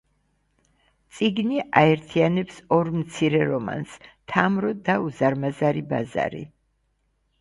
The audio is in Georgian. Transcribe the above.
წიგნი აერთიანებს ორ მცირე რომანს „თამრო“ და „უზარმაზარი ბაზარი“.